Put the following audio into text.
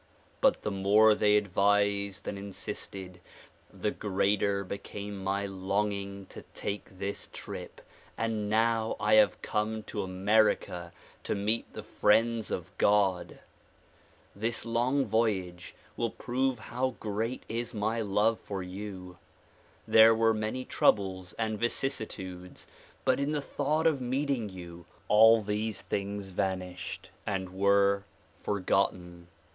But the more they advised and insisted, the greater became my longing to take this trip and now I have come to America to meet the friends of God. This long voyage will prove how great is my love for you. There were many troubles and vicissitudes but in the thought of meeting you, all these things vanished and were forgotten.